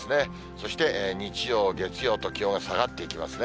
そして日曜、月曜と、気温は下がっていきますね。